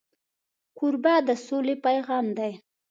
کوربه د سولې پیغام دی.